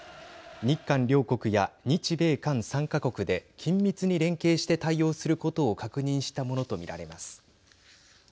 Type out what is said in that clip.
日韓両国や日米韓３か国で緊密に連携して対応することを確認したものと見られます。